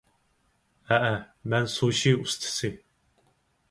ھەئە ،مەن سۇشى ئۇستىسى.